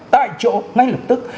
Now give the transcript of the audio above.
tại chỗ ngay lập tức